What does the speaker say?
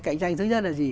cạnh tranh thứ nhất là gì